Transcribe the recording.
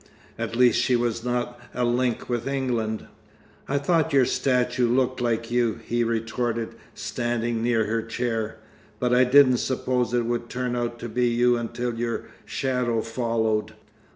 At least she was not a link with England. "I thought your statue looked like you," he retorted, standing near her chair, "but I didn't suppose it would turn out to be you until your shadow followed."